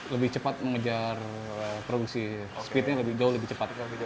lebih cepat mengejar produksi speednya lebih jauh lebih cepat